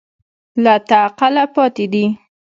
له تعقله پاتې دي